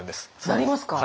なりますか？